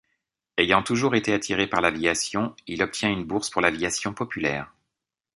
Ayant toujours été attiré par l'aviation, il obtient une bourse pour l'aviation populaire.